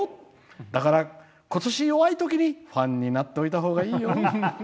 だから今年、弱いときにファンになっておいたほうがいいよ。